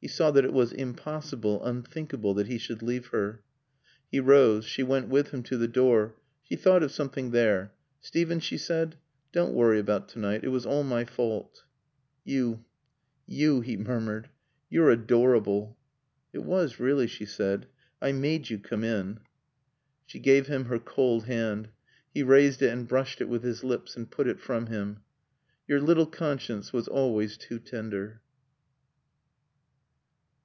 He saw that it was impossible, unthinkable, that he should leave her. He rose. She went with him to the door. She thought of something there. "Steven," she said, "don't worry about to night. It was all my fault." "You you," he murmured. "You're adorable." "It was really," she said. "I made you come in." She gave him her cold hand. He raised it and brushed it with his lips and put it from him. "Your little conscience was always too tender."